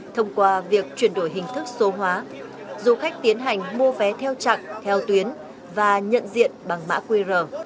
thông qua việc chuyển đổi hình thức số hóa du khách tiến hành mua vé theo chặng theo tuyến và nhận diện bằng mã qr